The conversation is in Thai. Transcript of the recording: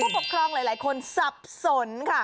ปกครองหลายคนสับสนค่ะ